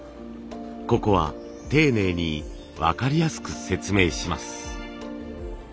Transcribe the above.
ここは丁寧に分かりやすく説明します。